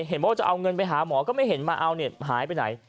บอกว่าจะเอาเงินไปหาหมอก็ไม่เห็นมาเอาเนี่ยหายไปไหน